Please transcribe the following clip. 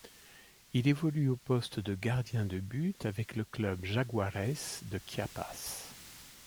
Il évolue au poste de gardien de but avec le Club Jaguares de Chiapas.